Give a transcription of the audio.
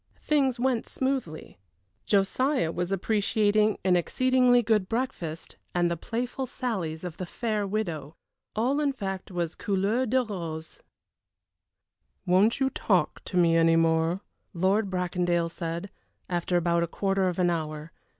Things went smoothly. Josiah was appreciating an exceedingly good breakfast, and the playful sallies of the fair widow. All, in fact, was couleur de rose. "Won't you talk to me any more?" Lord Bracondale said, after about a quarter of an hour.